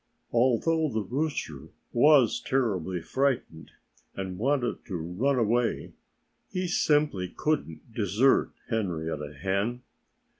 Although the rooster was terribly frightened, and wanted to run away, he simply couldn't desert Henrietta Hen.